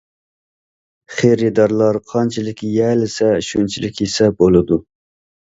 خېرىدارلار قانچىلىك يېيەلىسە شۇنچىلىك يېسە بولىدۇ.